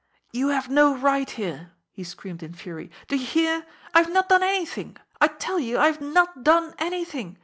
"You have no right here!" he screamed in fury. "Do you hear! I have not done anything! I tell you, I have not done anything!